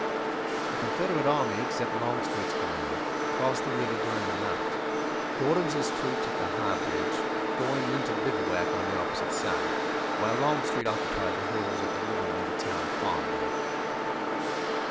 The Confederate army, except Longstreet's command, crossed the river during the night, Gordon's troops at the High Bridge going into bivouac on the opposite side, while Longstreet occupied the hills at the river near the town of Farmville.